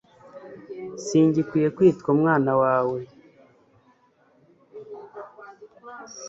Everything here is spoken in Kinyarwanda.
singikwiye kwitwa umwana wawe